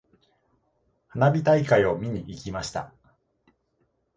花火大会を見に行きました。